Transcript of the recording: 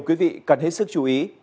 quý vị cần hết sức chú ý